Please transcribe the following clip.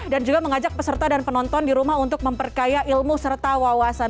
dan juga mengajak peserta dan penonton di rumah untuk memperkaya ilmu serta wawasan